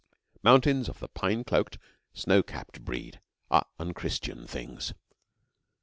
Mountains of the pine cloaked, snow capped breed are unchristian things.